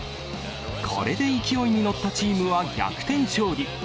これで勢いに乗ったチームは逆転勝利。